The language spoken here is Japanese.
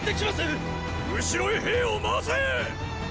後ろへ兵を回せェ！